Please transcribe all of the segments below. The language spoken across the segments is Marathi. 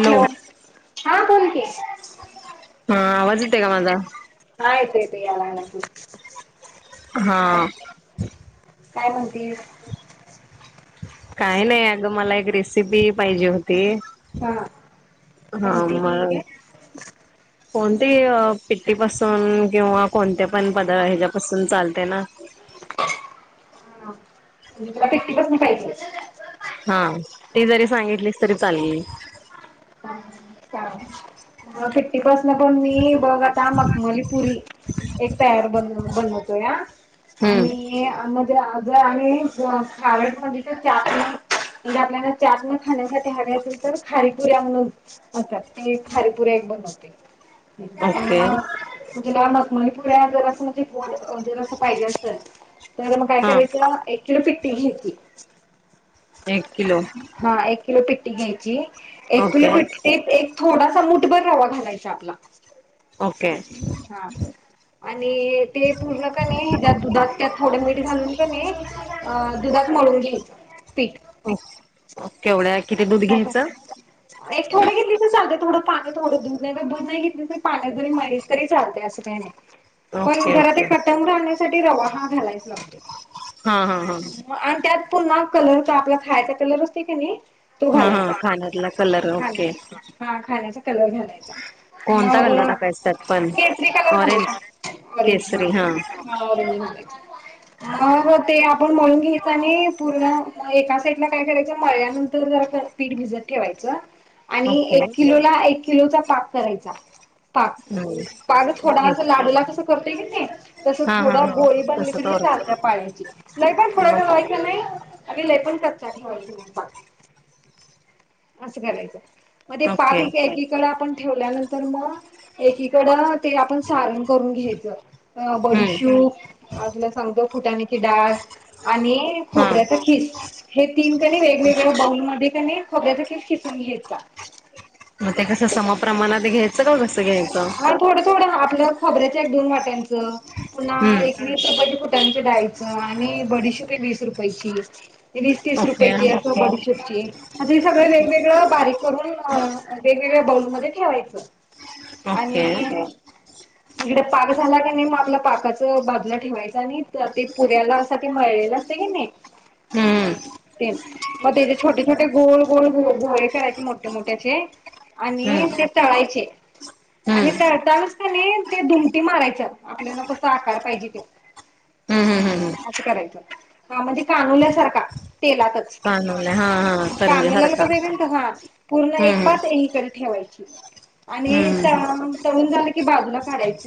हॅलो हा कोण? [inaudible] हा आवाज येतय का माझा? हा. येतय येतय यायला लागला की. हा. काय म्हणती? काय नाही. अग मला एक रेसीपी पाहिजे होती. हा ते हा कोणती म हे? कोणतीही पिठी पासून किंवा कोणते पण पदा ह्याच्यापासून चालते ना? [unintelligible] हा ती जरी सांगितलीस तरी चालली. हा पिठी बस म बघ आता मखमलीपुरी एक तयार बनू बनवतो या आणि हम्म आम [unintelligible] खारी पुरी एक बनवते. [unintelligible] ओके पुर्‍या दराश म्हणजे.. दराश पाहिजे असल. तर मग काय हा करायचं. एक किलो पी [unintelligible] एक किलो. ती घ्यायची एक किलो ओके पीठ एक एक थोडा मूठभर रवा घालायचा आपला. ओके हा. आणि ते पूर्ण कणी दुधात त्या थोडे मीठ घालून कणी.. त्या दुधात मळून घ्यायच. हो केवढ्या? किती दूध घ्यायचं एक थोडे की चालत. थोडं पाणी थोडं दूध नाहीतर दूध नाही घेतल तरी पाण्यात जरी मळलिस तरी चालतेय काहीनाही. पण.. ओके जरा ते ओके कटम राहण्यासाठी रवा ना घालायाच लागतोय. हा हा हा आणि त्यात पुन्हा कलर का आपला खायचा कलर असते की नाही तो हम् हम घालायचा. खाण्याला कलर ओके खाण्या हा खाण्याचा कलर झा कोणता कलर म टाकायचा त्यात पण केसरी कलर ऑरेंज झाय रेंज केसरी हा रं अ ते आपण म्हणून घ्याच आणि पूर्ण एका साईडला काय करायच मळल्यानंतर तर जरा पीठ भिजत ठेवायच आणि एक किलोला एक किलोचा पाक करायचा पाग पाग थोडा अस लाडूला कस कते किती तसं हां हां, थोडा हां. गोळी बनली तसं तरी मी तर चालत पाण्याची नाही काय थोडा ओ वेवाय की नाही अगेले पण कच ठेवायच म असं करायचं म्हणे ओके पाकीकडे आपण ठेवल्यानंतर मग एकीकड ते आपण सारण करून घ्यायचं अ हम्म बडीशू तुला सांगतो फुटानीची डळ आणि हा खोबऱ्याचा खीस हे तीन कणी वेगवेगळे मध्ये खोबर्याख खिचून घ्यायचा मग ते कस समप्रमाणात घ्यायचं का कसं घ्यायचं खबर्याच एक दोन वाट्यांचं पुन्हा हम्म एकस टनच डायच आणि बडीशी प वीस रुपयेची वीस तीस ओके रुपयाेची आहे सगळ वेगवेगळं बारीक करून वेगवेगळ्या बाऊलमध्येध्ये ठेवायचं आणि ओके तिकडे पाक झाला की नाही मग आपला पाकाच बाजला ठेवायचा आणि ते पुऱ्याला असा ते मळलेलं असते की नाही हम्म ते मग त्याचे छोटे छोटे गोोल गोल गोळे करायचे मोठे मोठ्याचे हम्म आणि ते तळायचे हम्म हम्म आणि तळता नसता नाही ते दुमटी मारायच आपल्याला कस आकार पाहिजे ते हम्म हम्म हम्म असं करायचं ह म्हणजे कानुल्यासारखा तेलात [unintelligible] कानोले हा हा करंजे सारखा हम्म ठेवायची आणि हम्म तरुण झालं की बाजूला काढायच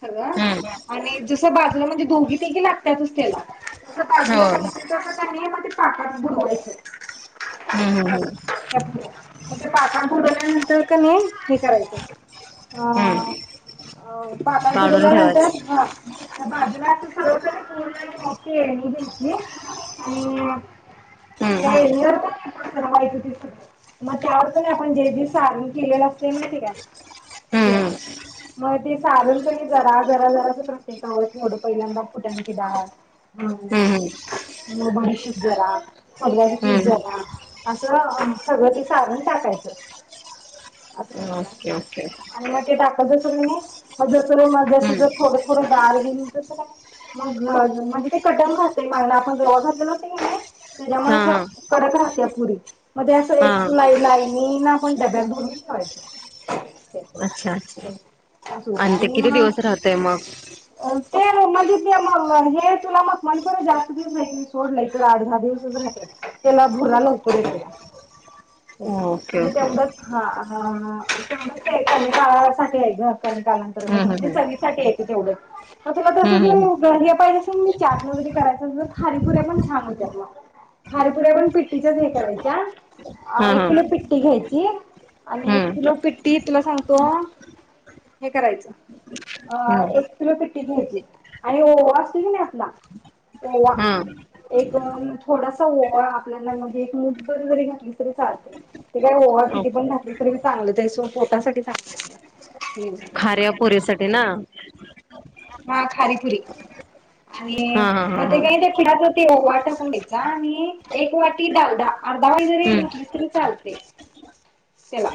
सगळं हम्म आणि जस बाजूला म्हणजे दोघी तेघी लागतातच त्याला हो [unintelligible] पाकात बुडवायच [unintelligible] हम्म हम्म [unintelligible] [unintelligible] हम्म पाकात काढून बुडवल्या ठेवायच नंतर बाजुला तू घेतली आणि हम्म त्यांना माहिती मग त्यावर पण आपण जे जे सारण केलेलं असते माहिती का ते हम्म मग ते सारण पण जरा जरा जराच प्रत्येकावरं थोडं पहिल्यांदा फुटाणाची डाळ हम्म हम्म मग भरीशी जरा मग िज हम्म झाला असं सगळं ते सारण टाकायचं असं ओके ओके. आणि मग ते टाकत जस क नाही मग जस जस हम्म ज थोड थोडं गाळ गेल तसं नाही मग म्हणजे ते कटम घात मागला आपण रॉ घातलेो असल की नाही ते जमुळे हा असं कडत राह पुरी मध्ये असं हा एक हा लाई लाईनी ना आपण डब्यात भरून ठेवायच. अच्छा अच्छा आणि ते किती दिवस राहतय मग ते [unintelligible] त्याला भूरा लवकर येतोया. ओके म्हणजे ओके तेवढंच हा [unintelligible] कालांतर हम्म म्हणजे हम्म सर्वीसासाठी येते तेवढं तुला तर [unintelligible] हम्म चार पदरी करायचं अस तर खारीपुऱ्या पण छान होत्या. मला खारीपुऱ्या पण पिट्टीच्याच हे करायच्या अ एक हम्म किलो पिट्टी घ्यायची आणि एक हम्म किलो पिट्टी तुला सांगतो हे करायचं अ हम्म एक किलो पिट्टी घ्यायची आणि ओवा असते कि नाही आपला ओवा हम्म एक थोडासा ओवा आपल्याला म्हणजे एक मुठभर जरी घातली तरी चालते ते काय ओवा हम्म किती पण घातली तरी चांगलंस पोटासाठी चांगलं खार्यापोरीसाठी ना? ह खारीपुरी आणि हा हा हा मग ते हा जे पिटा साठी ओवा आणि एक वाटी डालडा अर्धा वाटी जरी हम्म घातलीस तरी चालत. चला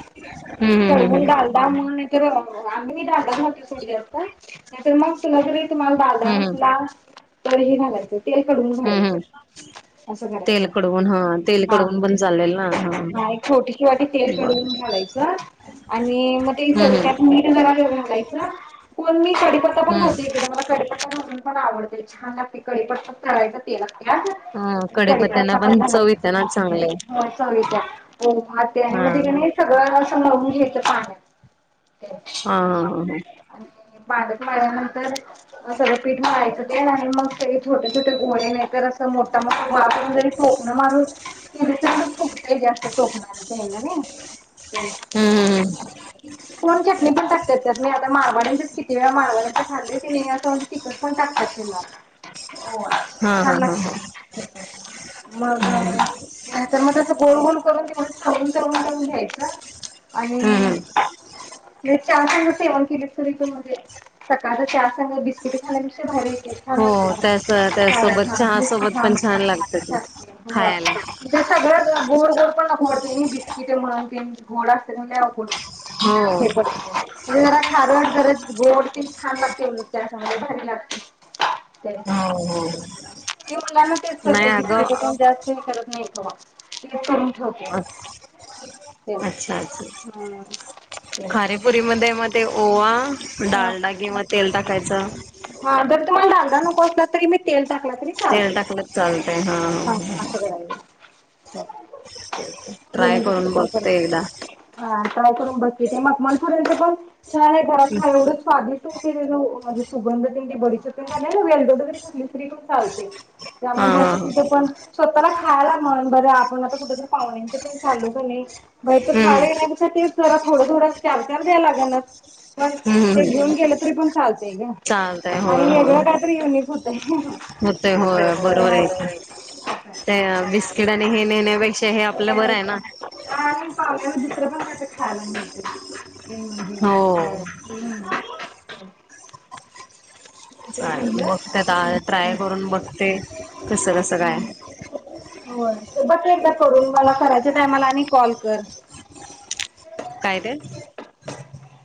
हम्म हम्म हम्म करवून हम्म डालडा म्हून हे बघा आम्ही दलाल [unintelligible] नाही तर मग तुला तरी तुम्हाला डालडा हम्म नसला तर हे घालायचं तेल कढून हम्म घालायचं. हम्म असं तेल करायचं कडवून हां, तेल हा कडवून पण चालेल ना हां हा एक छोटीशी वाटी तेल बर. कडवून घालायचं आणि म तीन हम्म हम्म [unintelligible] कोण मी सडी तता पण [unintelligible] हम्म म्हणून पण आवडते छान आप पिकडे पण तळायचं ते ह [unintelligible] कडेपत्यांना पण चव येते ना चांगले चव येत्या हो भाते आहे हा म दीरान मी सगळं मळून घेतं पाण्यात. हां-हां-हां-हां [inaudible] माळल्यानंतर सगळं पीठ मळायचं तेन आणि मंग ते छोटे छोटे घोळे नाही तर असं मोठा मोठा गोळा जरी टोकणं मारून तरीग फुकतय जास्त टोकनाच हेनं नई. हम्म हम्म [unintelligible] कोण चटणी पण टाकत्यात. त्यात मी आता मारवाड्यांच्यात किती माळव्या [unintelligible] तिखट पण टाकत्यात त्यांला. ओ हा छान हा हा लागतंय हा हम्म तसं, मग तर म तसं गोल गोल करून तेवढं [unintelligible] घ्यायचं आणि हम्म म चहा संग सेवन केले तर मध्ये. सकळच्या चहा संगं बिस्किटं खाण्यापेक्षा भारी आहे की. [unintelligible] हो सगळं त्यास त्यासोबत चहा सोबत पण छान लागत ते खायला ब [unintelligible] हो हे पडते, जरा ठारी करं गोड तेन छान लागते उलट चा संगं लय भारी लागतय. हो हो मुलांना तेच नाही करते बिस्किटं तेन अगं जास्त नई करत. नाइ का ते करून ठेवते. ते अच्छा अच्छा खारेपुरी मध्ये म ते ओवा, हा ते डालडा किंवा तेल टाकायचं तुमाला डालडा नको असला तरी म तेल टाकला तरी तेल चालते. टाकलं चालतंय, हा हां-हां-हां-हां. असं करायचं [inaudible] ट्राय दोन्ही पैकी करून एक वापर बघते एकदा. हा ट्राय करून बघ के ते मखमल पुऱ्याच पण छान. थोडा खा एवढं स्वादि सुगंध बडीच गेल तरी कुली स्री चालते हा त्यामुळे हा असं ह कुठे पण स् स्वतःला खायला मण बरं आपण आता कुठ पाहुण्यांच ते चाललोकनी मग त हम्म खाय जरा थोडं थोडं चार चार द्याय लागनात पण हम्म ते हम् घेऊन गेले तरी पण चाल चालतय होय होय युनिक होतंय. होतय होय बरोबरय की असं आहे. ते अ बिस्किट आणि हे नेण्यापेक्षा हे आपल बरय ना आणि पावण्याला हम् ह [unintelligible] हो [inaudible] हो हम् तेच चालेल म्हणलं बघते आता ट्राय करून बघते कस कस काय बघकी एकदा करून मला करायच्या टायमाला आणि कॉल कर काय तेे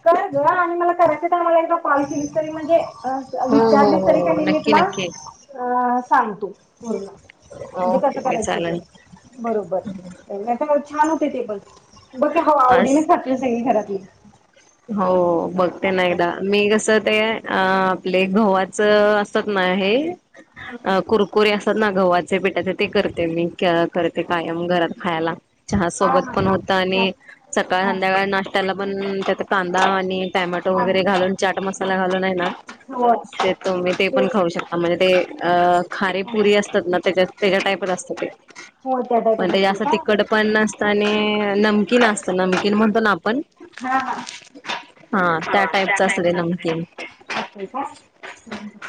कर ग आणि मला करायच्या टाईमाला एकदा कॉल केलीस तरी म्हणजे अस अ हो विचारलीस हो तरी काई हो नाही मी नक्की तुला नक्की अ सांगतु पूर्ण म्हणजे कस ओके ओके करायच ते चालेल बरोबर एले [inaudible] आ छान होते टेबल बकी हवा अस आवडीने खातली सगळी घरातली हो बघते ना असं एकदा मी अस ते अ आपले घोवात च असत ना हे अ कुरकुरी असत ना गवात ते पिठाच ते करते मी क्या करते कायम घरात खायाला चहा हा सोबत पण होत आणि हा सकाळ हा संध्याकाळ नाष्ट्याला पण ते आता कांदा आणि टॅमॅटो हा वगैरे घालून चाट मसाला घालून हाय ना हो ते तुम्ही ते पण तेच खाऊ शकता म्हणजे ते अ खारे पुुरी असतात ना त्याच्यात त्याच्या टाईपच असतात ते हो त्या पण टाईपच ते असते जास का तिकड पण नसत आणि एक नमकीन असत नमकीन म्हणतो ना आपण हा हा [inaudible] हा त्या टाईपच असत ते नमकीन होय का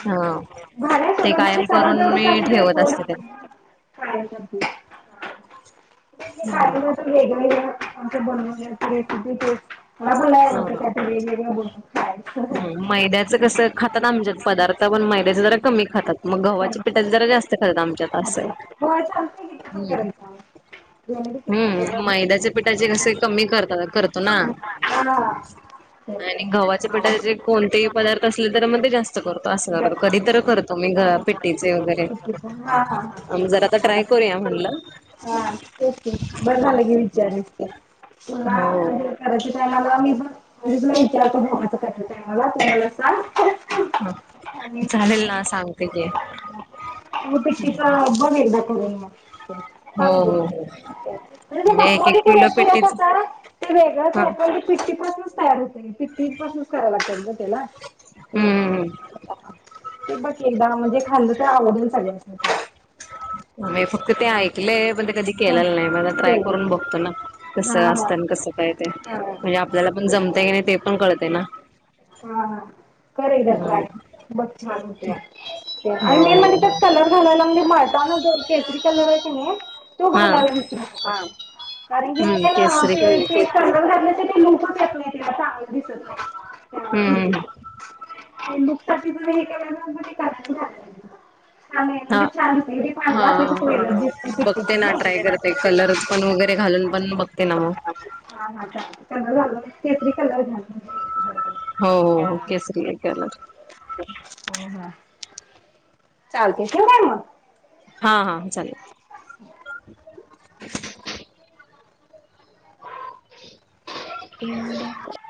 हो झालाय सगळ ठेवत असते ते. मजे [unintelligible] [inaudible] [inaudible] काय हो वेगवेगळ [inaudible] आमच्या बोलण्या हा. [unintelligible] [unintelligible] [inaudible] वेगवेगळ च कस खातात आमच्यात पदार्थ पण मैद्याचे जरा कमी खातात मग गव्हाच्या पिठाचे जरा जास्त खातात आमच्यात असय होय चालतंय की ते पण हम् करायचं जेवढे ते कुठलं हम् मैद्याच्या पिठाचे कसे कमी करतात करतो ना पण हा तेच आणि गव्हाच्या पिटाचे कोणतेही पदार्थ असले तर मध्ये ते जास्त करतो असं हा करतो कधी तर करतो मी ग हा पिट्टीचे वगैरे हा जरा आता ट्राय करूया म्हणलं ते बरं झालं की विचारस ते तुला हो म्हणजे करा मला मीण म्हजे तु इतरण्याचंलला ह चालेल आणि ना सांगते क ते कस ब हो हो हो हो म्ह म्हणजे मपो एक एक किलो पेटीच ते वेगळंच हा पण फिफ्टी प तयार होत फि्टी पासूनच कराय लागतात ला हम् हम्म ते बघ एकदा म्हणजे खांद आवडडेल सगळ्यां अच् ह मी फक्त ते ऐकलेय पण ते कधी हा केलेलं नाही मला ट्राय करून केलंय बघतो ना हा कसं असतं आणि कसं काय ते हा म्हणजे आपल्याला पण जमतय की हा नाही ते पण कळते ना हा करे द ट्राय हम्म बघ छान होत्या हो आणि मेन म्हणज त्यात हो कलर घालायला म्ह केसरी कलर व कने तू हा भाला आला म्ह ना कारण की हम्म नाही ना केसरी ते शेतलं झारलं ते शां दिसत ह पु हम्म हम्म नुकता हे कराय कर हा हा कसं वेगळंच दिसते बघते पिट्टूचं ना नाही ट्राय करते कलरस पण वगैरे घालून पण बघते ना मग कलर लालो केसरी कलर झा हो हो हो केसरी आहे कलर चालतेस ना काण मग हा हा चालेल. [unintelligible] [inaudible]